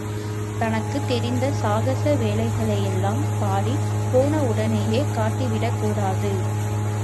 தனக்குத் தெரிந்த சாகச வேலைகளையெல்லாம் பாடிப் போனவுடனேயே காட்டிவிடக் கூடாது.